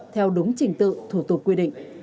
theo đúng trình tự thủ tục quy định